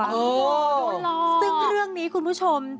โหโหล่อยซึ่งเรื่องนี้คุณผู้ชม